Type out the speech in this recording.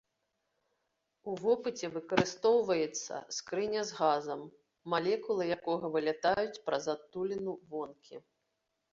У вопыце выкарыстоўваецца скрыня з газам, малекулы якога вылятаюць праз адтуліну вонкі.